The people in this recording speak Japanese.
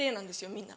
みんな。